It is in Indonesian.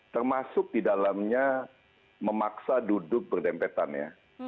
termasuk di dalamnya memaksa duduk berdempetan ya